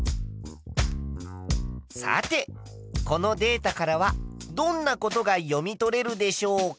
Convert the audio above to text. さてこのデータからはどんなことが読み取れるでしょうか？